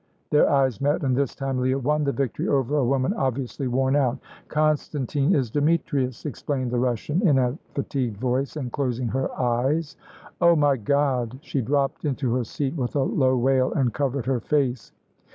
Their eyes met, and this time Leah won the victory over a woman obviously worn out. "Constantine is Demetrius," explained the Russian, in a fatigued voice and closing her eyes. "Oh, my God!" She dropped into her seat with a low wail and covered her face.